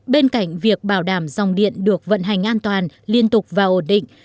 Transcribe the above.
bên cạnh việc bảo đảm dòng điện được vận hành an toàn liên tục và ổn định